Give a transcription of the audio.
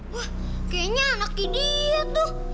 wah kayaknya anak hidia tuh